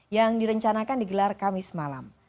yang direncanakan digelar kamis malam